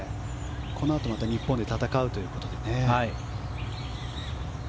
このあとまた日本で戦うということで。